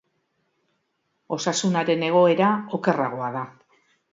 Osasunaren egoera okerragoa da.